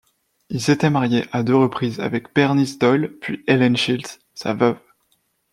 Il s'était marié à deux reprises, avec Bernice Doyle, puis Ellen Shields, sa veuve.